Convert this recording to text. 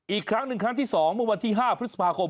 อีกครั้ง๑ครั้งที่๒มันวันที่๕พฤษภาคม